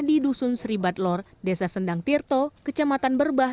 rumah di dusun sri batlor desa sendang tirto kecamatan berbah